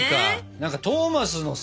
何かトーマスのさ